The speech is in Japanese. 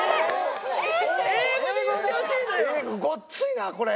えごっついなこれ。